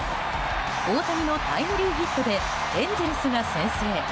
大谷のタイムリーヒットでエンゼルスが先制。